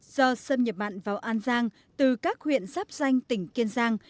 do xâm nhập bạn vào an giang từ các huyện sắp danh tỉnh kiên giang